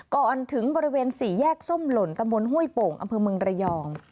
ก่อนถึงบริเวณ๔แยกซ่มหล่นกับมวลห่วยโป่งอำเภอเมืองระยอง